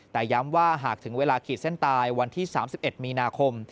แต่ย้ำว่าหากถึงเวลาขีดเส้นตายวันที่๓๑มีนาคม